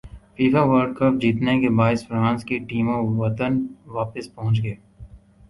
FIFA World Cup جیتنے کے بعد فرانس کی ٹیم وطن واپس پہنچ گئی